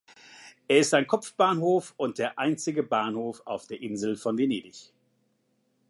Er ist ein Kopfbahnhof und der einzige Bahnhof auf der Insel von Venedig.